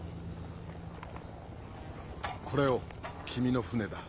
これを君の船だ。